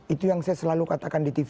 itu yang saya selalu katakan di tv